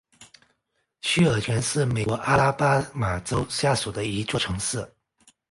西尔泉是美国阿拉巴马州下属的一座城市。